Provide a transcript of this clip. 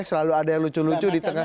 selalu ada yang lucu lucu di tengah